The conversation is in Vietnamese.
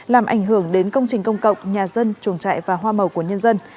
làm ảnh hưởng đến công trình công cộng nhà dân chuồng trại và hoa màu của nhân dân